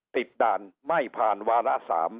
ด่านไม่ผ่านวาระ๓